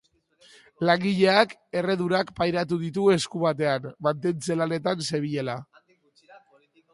Langileak erredurak pairatu ditu esku batean, mantentze-lanetan zebilela.